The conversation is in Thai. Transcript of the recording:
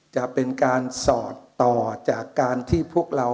จะเป็นการสอดต่อจากการที่พวกเรา